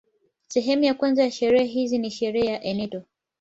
Sehemu ya kwanza ya sherehe hizi ni sherehe ya enoto